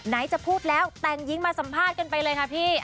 จะพูดแล้วแต่งหญิงมาสัมภาษณ์กันไปเลยค่ะพี่